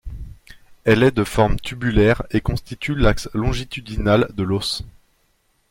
Elle est de forme tubulaire et constitue l'axe longitudinal de l'os.